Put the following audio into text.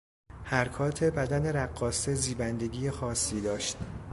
حرکات بدن رقاصه زیبندگی خاصی داشت.